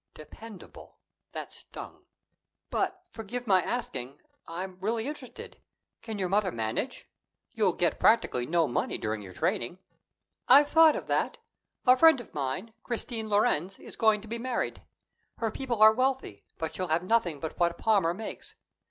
Dependable! That stung. "But forgive my asking; I'm really interested can your mother manage? You'll get practically no money during your training." "I've thought of that. A friend of mine, Christine Lorenz, is going to be married. Her people are wealthy, but she'll have nothing but what Palmer makes.